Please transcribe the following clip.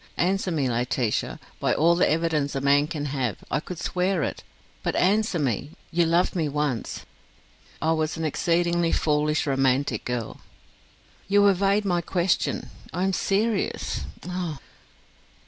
Answer me, Laetitia: by all the evidence a man can have, I could swear it: but answer me; you loved me once?" "I was an exceedingly foolish, romantic girl." "You evade my question: I am serious. Oh!"